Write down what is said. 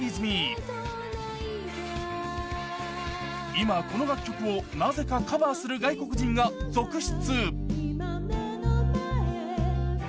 今、この楽曲をなぜかカバーする外国人が続出。